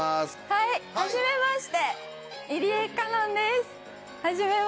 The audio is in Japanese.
はいはじめまして入江華音です。